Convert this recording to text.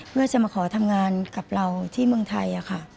เพื่อจะมาขอทำงานกับเราที่เมืองไทยค่ะ